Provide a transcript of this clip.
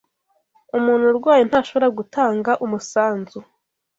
umuntu urwaye ntashobora gutanga umusanzu